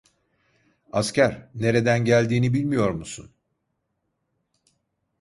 Asker, nereden geldiğini bilmiyor musun?